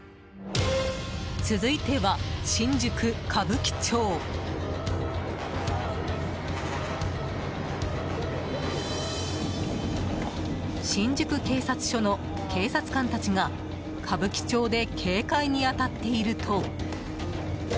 続いては、新宿・歌舞伎町。新宿警察署の警察官たちが歌舞伎町で警戒に当たっていると。